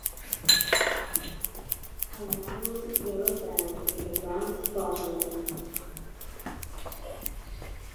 A lateral yellow band with a brown spot on it.